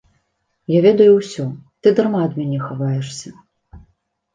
Я ведаю ўсё, ты дарма ад мяне хаваешся.